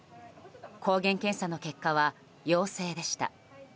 抗原検査の結果は陽性でした。